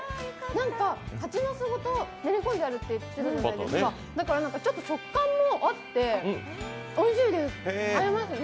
なんか蜂の巣ごと練りこんであるって言ってたので、だから、ちょっと食感もあっておいしいです、合いますね。